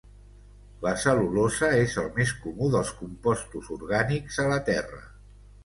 La cel·lulosa és el més comú dels compostos orgànics a la terra.